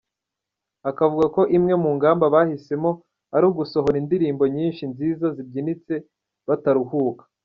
Akavuga ko imwe mu ngamba bahisemo ari ugusohora indirimbo nyinshi nziza zibyinitse bataruhuka.